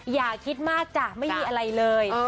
อย่าคิดมากจ้ะไม่มีอะไรเลย